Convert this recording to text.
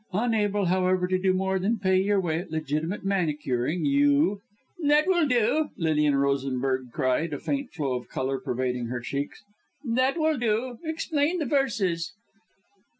Unable, however, to do more than pay your way at legitimate manicuring you " "That will do," Lilian Rosenberg cried, a faint flow of colour pervading her cheeks. "That will do! Explain the verses."